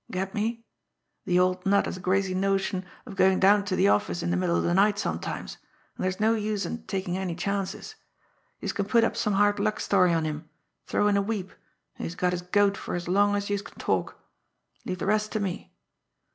Get me? De old nut has a crazy notion of goin' down ter de office in de middle of de night sometimes, an' dere's no use takin' any chances. Youse can put up some hard luck story on him, throw in a weep, an' youse got his goat fer as long as youse can talk. Leave de rest ter me.